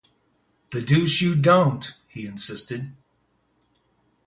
"The deuce you don't," he insisted.